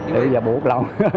thì bây giờ buộc lòng